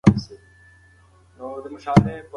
شاعر د شعر په لیکلو کې مهارت لري.